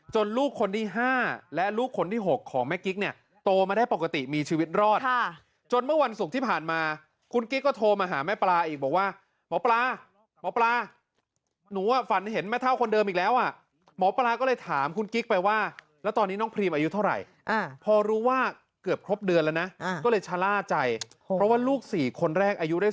ลูกคนที่๕และลูกคนที่๖ของแม่กิ๊กเนี่ยโตมาได้ปกติมีชีวิตรอดจนเมื่อวันศุกร์ที่ผ่านมาคุณกิ๊กก็โทรมาหาแม่ปลาอีกบอกว่าหมอปลาหมอปลาหนูอ่ะฝันเห็นแม่เท่าคนเดิมอีกแล้วอ่ะหมอปลาก็เลยถามคุณกิ๊กไปว่าแล้วตอนนี้น้องพรีมอายุเท่าไหร่พอรู้ว่าเกือบครบเดือนแล้วนะก็เลยชะล่าใจเพราะว่าลูก๔คนแรกอายุได้